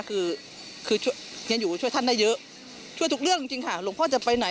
คือคือยังอยู่ช่วยท่านได้เยอะช่วยทุกเรื่องจริงค่ะหลวงพ่อจะไปไหน